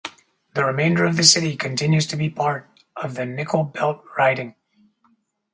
The remainder of the city continues to be part of the Nickel Belt riding.